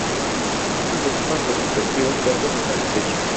Ambos ocupan sus respectivos cargos hasta la fecha.